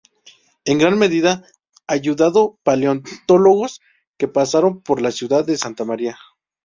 En gran medida ayudado paleontólogos que pasaron por el ciudad de Santa María.